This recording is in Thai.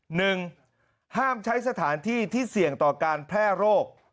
หนึ่งห้ามใช้สถานที่ที่เสี่ยงต่อการแพร่โรค